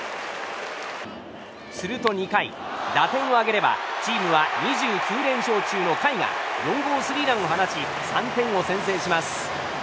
すると２回、打点を挙げればチームは２９連勝中の甲斐が４号スリーランを放ち３点を先制します。